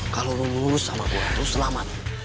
kalau lu ngurus sama gue lu selamat